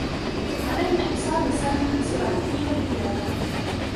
علينا إيصال سامي بسرعة إلى العيادة.